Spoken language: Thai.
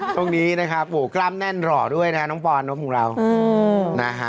ตรงนี้นะครับโหกล้ามแน่นรอด้วยน๊ะน้องปอร์น้องผมเรา